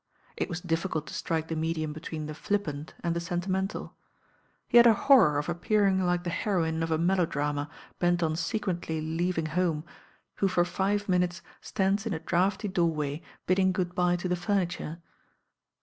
It was difficult to rtnke the medium between the flippant and the sen. tonentaL He had a horror of appearing like the heroine of a melodrama bent on secretly leaving home, who for five minutes stands in a draughty doorway bidding good bye to the furniture.